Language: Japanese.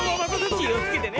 気をつけてね！